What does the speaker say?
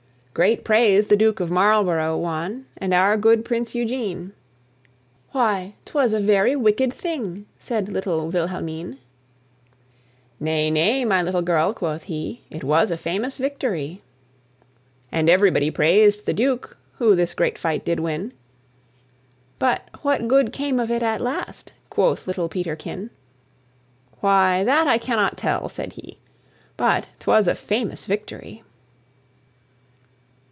"Great praise the Duke of Marlborough won, And our good Prince Eugene." "Why, 'twas a very wicked thing!" Said little Wilhelmine. "Nay, nay, my little girl," quoth he, "It was a famous victory! "And everybody praised the Duke Who this great fight did win." "But what good came of it at last?" Quoth little Peterkin. "Why, that I cannot tell," said he, "But 'twas a famous victory."